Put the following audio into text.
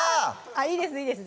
いいですいいです